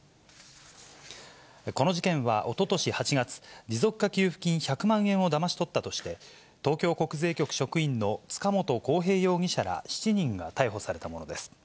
この事件はおととし８月、持続化給付金１００万円をだまし取ったとして、東京国税局職員の塚本晃平容疑者ら７人が逮捕されたものです。